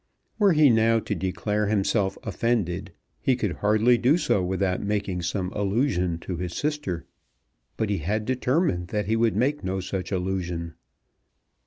Were he now to declare himself offended he could hardly do so without making some allusion to his sister. But he had determined that he would make no such allusion.